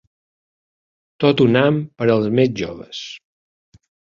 Tot un ham per als més joves.